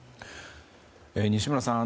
西村さん。